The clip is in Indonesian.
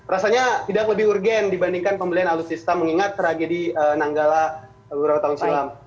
rasanya tidak lebih urgen dibandingkan pembelian alutsista mengingat tragedi nanggala beberapa tahun silam